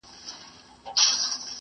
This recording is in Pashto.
د پوستکي روغتیا د خوړو پورې تړلې ده.